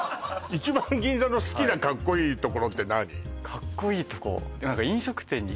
一番銀座の好きなカッコいいところって何？